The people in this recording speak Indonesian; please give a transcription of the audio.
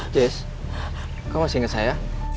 jess kamu masih ingat saya